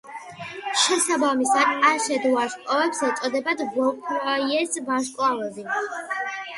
შესაბამისად ასეთ ვარსკვლავებს ეწოდათ ვოლფ-რაიეს ვარსკვლავები.